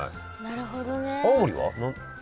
なるほどね。